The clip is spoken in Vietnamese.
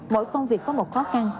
mỗi công việc có một khó khăn